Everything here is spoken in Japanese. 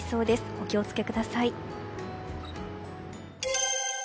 お気を付けください。